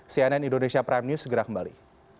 cnn indonesia prime news segera kembali